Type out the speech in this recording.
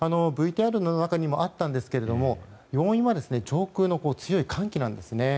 ＶＴＲの中にもあったんですが要因は上空の強い寒気なんですね。